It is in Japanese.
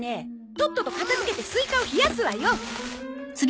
とっとと片付けてスイカを冷やすわよ。